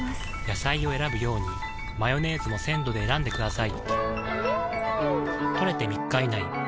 野菜を選ぶようにマヨネーズも鮮度で選んでくださいん！